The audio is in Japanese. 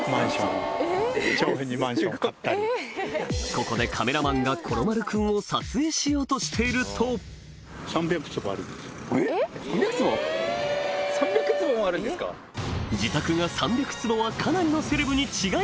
ここでカメラマンがコロ丸くんを撮影しようとしているとえっ３００坪⁉自宅が３００坪はかなりのセレブに違いない！